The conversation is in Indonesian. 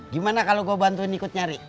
gimana kalau kau bantuin ikut nyari